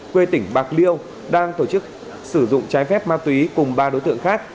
quê tỉnh bạc liêu đang tổ chức sử dụng trái phép ma túy cùng ba đối tượng khác